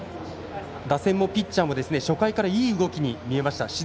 打線もピッチャーも初回からいい動きに見えました。